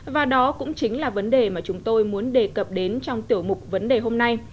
và đó cũng chính là vấn đề mà chúng tôi muốn đề cập đến trong tiểu mục vấn đề hôm nay